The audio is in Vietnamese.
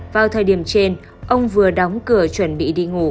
vào thời điểm trên ông vừa đóng cửa chuẩn bị đi ngủ